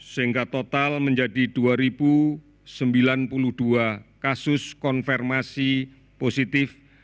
sehingga total menjadi dua sembilan puluh dua kasus konfirmasi positif